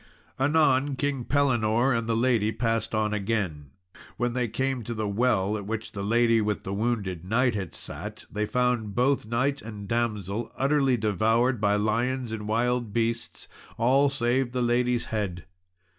Anon King Pellinore and the lady passed on again; and when they came to the well at which the lady with the wounded knight had sat, they found both knight and Damsel utterly devoured by lions and wild beasts, all save the lady's head.